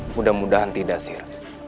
mudah mudahan tidak sir